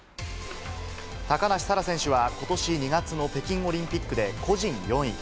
高梨沙羅選手は、ことし２月の北京オリンピックで、個人４位。